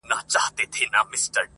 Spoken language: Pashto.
زه تر مور او پلار پر ټولو مهربان یم٫